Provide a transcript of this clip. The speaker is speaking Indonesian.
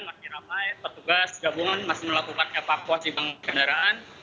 masih ramai petugas gabungan masih melakukan evakuasi kendaraan